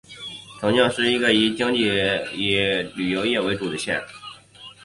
重庆是一个经济以旅游业为主的县。